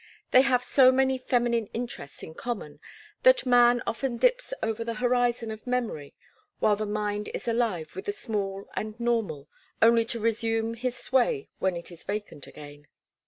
They have so many feminine interests in common, that man often dips over the horizon of memory while the mind is alive with the small and normal, only to resume his sway when it is vacant again.